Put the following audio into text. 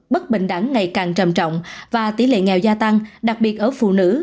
bất bình đẳng ngày càng trầm trọng và tỷ lệ nghèo gia tăng đặc biệt ở phụ nữ